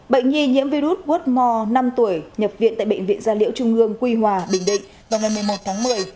bệnh nhi nhiễm virus wordmore năm tuổi nhập viện tại bệnh viện gia liễu trung ương quy hòa bình định vào ngày một mươi một tháng một mươi